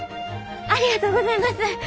ありがとうございます！